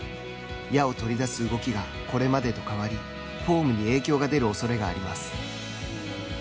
矢を取り出す動きがこれまでと変わりフォームに影響が出る恐れがあります。